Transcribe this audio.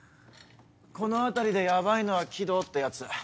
この辺りでヤバいのは鬼道ってヤツ。